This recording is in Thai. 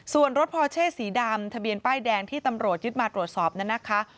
ส่วนรถพอเช่สีดำทะเบียนป้ายแดงที่ตำรวจยึดมาตรวจสอบนั้นนะคะ